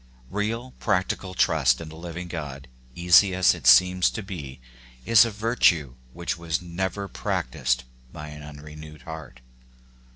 Real, practical trust in the living God, easy as it seems to be, is a virtue which was never practised by an unrenewed heart.